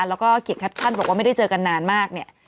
แล้วก็เขียนแคปชั่นบอกว่าไม่ได้เจอกันนานมากเนี่ย